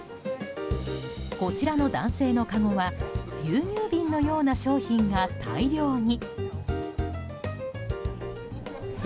こちらの男性のかごは牛乳瓶のような商品が大量に。